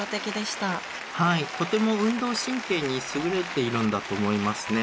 はいとても運動神経に優れているんだと思いますね。